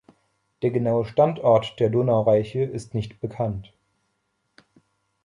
Der genaue Standort der Donareiche ist nicht bekannt.